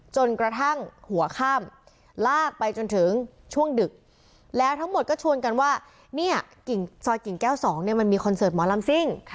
จนกระทั่งหัวข้ามลากไปจนถึงช่วงดึกแล้วทั้งหมดก็ชวนกันว่าเนี่ยกิ่งซอยกิ่งแก้ว๒เนี่ยมันมีคอนเสิร์ตหมอลำซิ่ง